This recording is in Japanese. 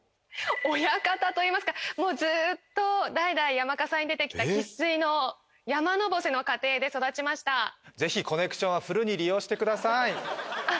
親方といいますかもうずーっと代々山笠に出てきた生っ粋の山のぼせの家庭で育ちました是非コネクションはフルに利用してくださいあっ